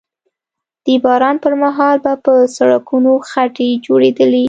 د باران پر مهال به په سړکونو خټې جوړېدلې